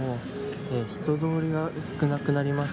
人通りが少なくなります。